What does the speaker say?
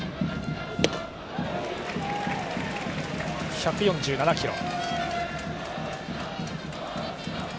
１４７キロ。